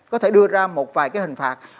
có thể đưa ra một vài cái hình phạt